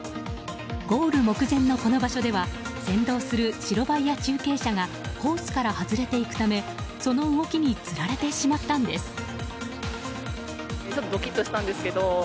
ゴール目前のこの場所では先導する白バイや中継車がコースから外れていくためその動きにつられてしまったんです。